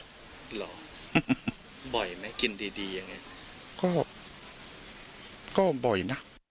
หรอบ่อยมั้ยกินดียังไงก็บ่อยนะ